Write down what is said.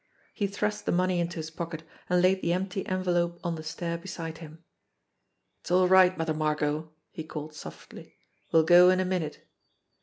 He thrust the money into his pocket, and laid the empty envelope on the stair beside him. "It's all right, Mother Margot!" he called softly. "We'll go in a minute."